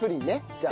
じゃあ。